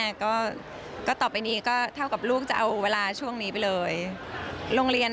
แต่ก็ต่อไปนี้ก็เท่ากับลูกจะเอาเวลาช่วงนี้ไปเลยโรงเรียน